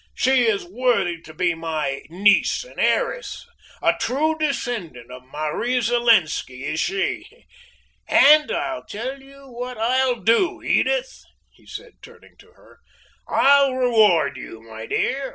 She is worthy to be my niece and heiress! A true descendant of Marie Zelenski, is she! And I'll tell you what I'll do, Edith!" he said, turning to her, "I'll reward you, my dear!